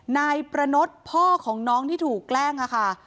นายประนดพ่อของน้องที่ถูกแกล้งค่ะ